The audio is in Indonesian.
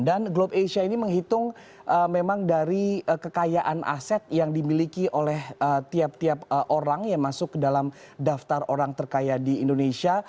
dan globe asia ini menghitung memang dari kekayaan aset yang dimiliki oleh tiap tiap orang yang masuk ke dalam daftar orang terkaya di indonesia